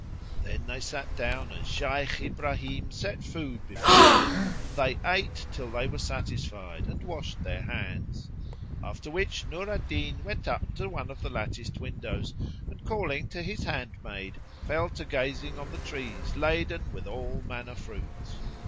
[FN#49]" Then they sat down and Shaykh Ibrahim set food before them; and they ate till they were satisfied and washed their hands: after which Nur al Din went up to one of the latticed windows, and, calling to his handmaid fell to gazing on the trees laden with all manner fruits.